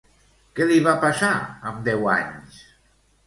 Què li va passar amb deu anys?